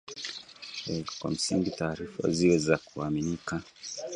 Kwa msingi, taarifa ziwe za kuaminika